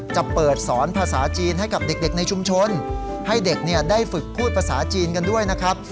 จะเปิดสอนภาษาจีนให้กับเด็กในชุมชนให้เด็กได้ฝึกพูดภาษาจีนกันด้วยนะครับ